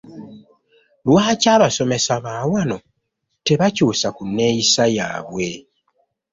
Lwaki abasomesa baawano tebakyuusa ku neyisa yaabwe?